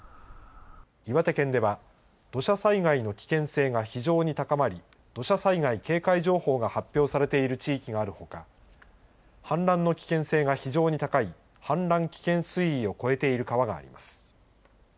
岩手県では土砂災害の危険性が非常に高まり土砂災害警戒情報が発表されている地域があるほか氾濫の危険性が非常に高い氾濫危険水位を越えている川があります。